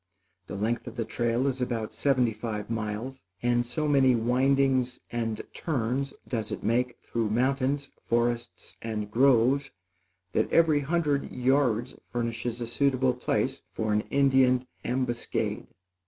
The length of the trail is about seventy five miles, and so many windings and turns does it make through mountains, forests and gorges, that every hundred yards furnishes a suitable place for an Indian ambuscade.